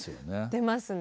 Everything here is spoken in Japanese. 出ますね。